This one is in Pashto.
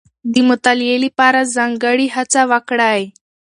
د مطالعې لپاره ځانګړې هڅه وکړئ.